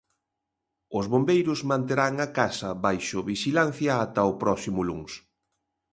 Os bombeiros manterán a casa baixo vixilancia ata o próximo luns.